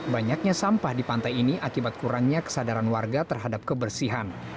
banyaknya sampah di pantai ini akibat kurangnya kesadaran warga terhadap kebersihan